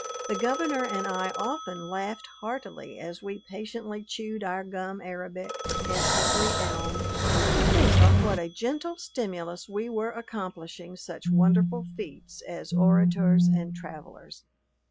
The Governor and I often laughed heartily, as we patiently chewed our gum arabic and slippery elm, to think on what a gentle stimulus we were accomplishing such wonderful feats as orators and travelers.